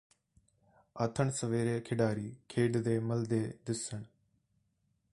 ਆਥਣ ਸਵੇਰ ਖਿਡਾਰੀ ਖੇਡਦੇ ਮੱਲ੍ਹਦੇ ਦਿਸਣ